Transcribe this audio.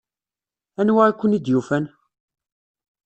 Anwa i ken-id-yufan?